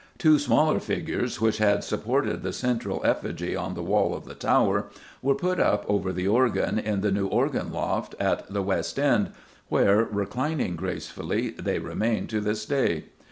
Two smaller figures which had supported the central effigy on the wall of the tower were put up over the organ in the new organ loft at the west end, where, reclining gracefully, they remain to this day.